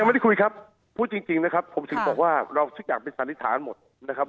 ไม่ได้คุยครับพูดจริงนะครับผมถึงบอกว่าเราทุกอย่างเป็นสันนิษฐานหมดนะครับ